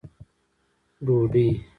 ډوډۍ